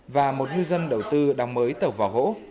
và một ngư dân đầu tư đồng mới tàu vỏ hỗ